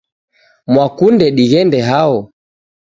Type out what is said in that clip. Mwakunde dighende hao?